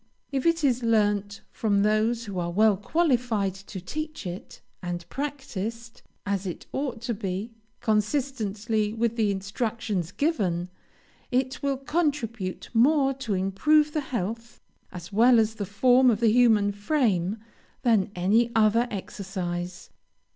If it is learned from those who are well qualified to teach it, and practised, as it ought to be, consistently with the instructions given, it will contribute more to improve the health, as well as the form of the human frame, than any other exercise.